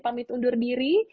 pamit undur diri